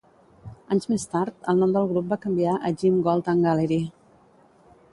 Anys més tard, el nom del grup va canviar a Jim Gold and Gallery.